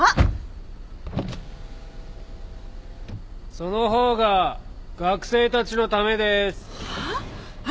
その方が学生たちのためです。はあ？